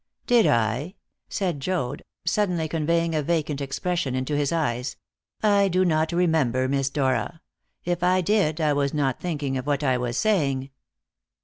"Did I?" said Joad, suddenly conveying a vacant expression into his eyes. "I do not remember, Miss Dora. If I did, I was not thinking of what I was saying."